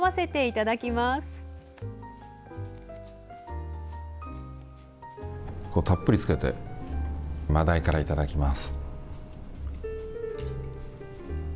たっぷりつけてマダイからいただきます。